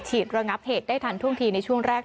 ระงับเหตุได้ทันท่วงทีในช่วงแรก